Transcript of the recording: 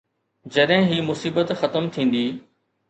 جڏهن هي مصيبت ختم ٿيندي.